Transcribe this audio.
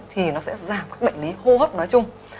thì nó sẽ giảm các bệnh lý hô hấp nói chung